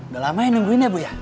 udah lama yang nungguin ya bu ya